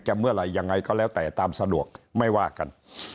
เมื่อไหร่ยังไงก็แล้วแต่ตามสะดวกไม่ว่ากัน